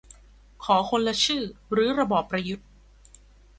ขอคนละชื่อรื้อระบอบประยุทธ์